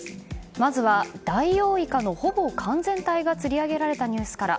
まずはダイオウイカのほぼ完全体が釣り上げられたニュースから。